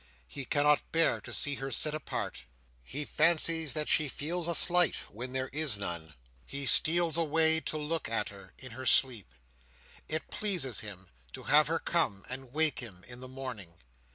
He cannot bear to see her sit apart. He fancies that she feels a slight, when there is none. He steals away to look at her, in her sleep. It pleases him to have her come, and wake him in the morning.